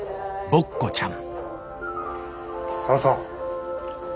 ボッコちゃん。